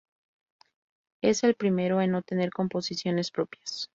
Es el primero en no tener composiciones propias.